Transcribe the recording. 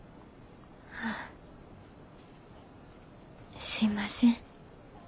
ああすいません。